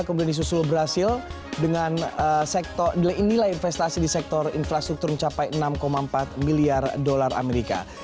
kemudian disusul brazil dengan nilai investasi di sektor infrastruktur mencapai enam empat miliar dolar amerika